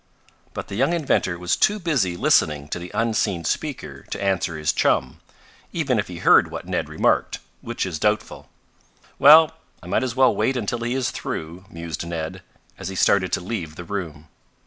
But the young inventor was too busy listening to the unseen speaker to answer his chum, even if he heard what Ned remarked, which is doubtful. "Well, I might as well wait until he is through," mused Ned, as he started to leave the room.